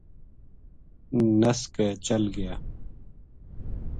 نَس کے چل گیا